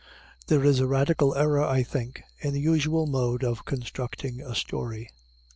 There is a radical error, I think, in the usual mode of constructing a story.